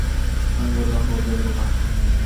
আমি বললাম বদলে দেবো, ভাগ্য।